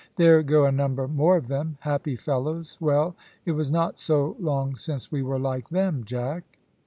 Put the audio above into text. "There go a number more of them. Happy fellows! Well, it was not so long since we were like them, Jack."